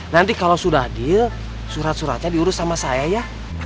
nanti kalau sudah deal surat suratnya diurus sama saya ya